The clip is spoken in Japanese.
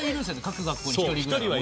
各学校に１人ぐらいは。